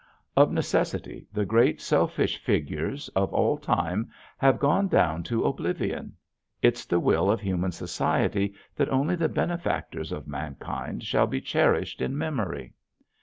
Of necessity the great selfish figures of all time have gone down to oblivion. It's the will of human society that only the benefactors of mankind shall be cherished in memory.